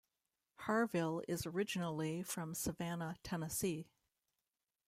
Harville is originally from Savannah, Tennessee.